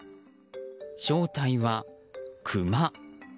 正体はクマ。